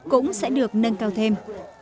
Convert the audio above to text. cũng sẽ được nâng cao thêm